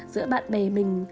giữa bạn bè mình